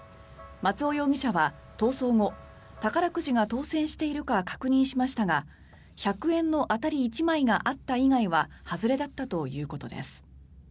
松尾容疑者は逃走後宝くじが当選しているか確認しましたが１００円の当たり１枚があった以外は外れだったということです。